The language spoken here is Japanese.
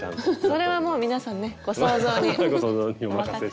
それはもう皆さんねご想像にお任せ。